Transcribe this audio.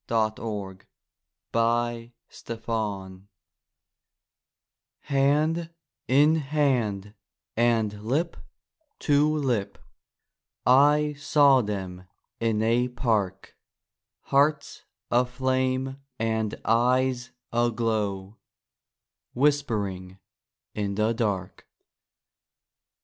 SONGS AND DREAMS Love Hand in hand and lip to lip I saw them in a park; Hearts aflame and eyes aglow, Whisp'ring in the dark.